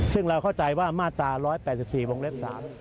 ซึ่งเราเข้าใจว่ามาตรา๑๘๔วงเล็บ๓